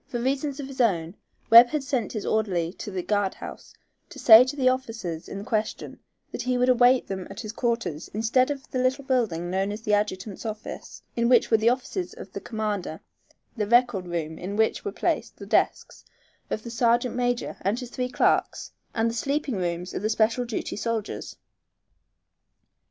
For reasons of his own, Webb had sent his orderly to the guard house to say to the officers in question that he would await them at his quarters instead of the little building known as the adjutant's office, in which were the offices of the commander, the record room in which were placed the desks of the sergeant major and his three clerks, and the sleeping rooms of the special duty soldiers.